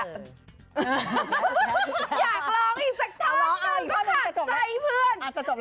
อยากร้องอีกสักท้อนเพื่อนก็ขาดใจเพื่อน